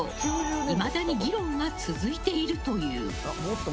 いまだに議論が続いているという。